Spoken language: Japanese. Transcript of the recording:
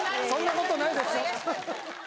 そんなことないですよ。